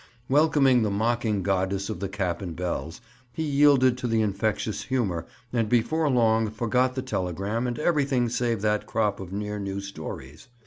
Welcoming the mocking goddess of the cap and bells, he yielded to the infectious humor and before long forgot the telegram and everything save that crop of near new stories.